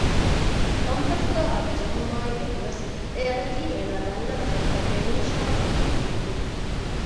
ކަންފަތުގައި އަޑު ޖެހުމާއިއެކު ވެސް އެއަޑަކީ އޭނާ ދަންނަ އަޑެއްކަން ރެނީސާއަށް ޔަގީންވި